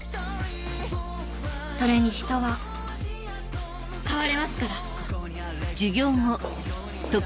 それに人は変われますから。